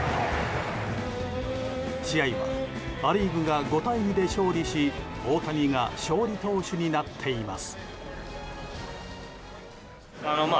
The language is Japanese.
試合はア・リーグが５対２で勝利し大谷が勝利投手になっています。